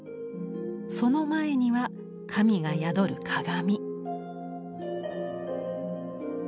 その前には神が宿る鏡。